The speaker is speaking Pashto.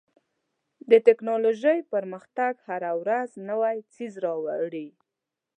د ټکنالوژۍ پرمختګ هره ورځ نوی څیز راوړي.